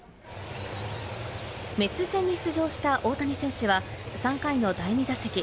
メッツ戦に出場した大谷選手は３回の第２打席。